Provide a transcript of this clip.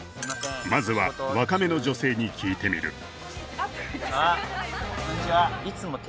まずは若めの女性に聞いてみるあっ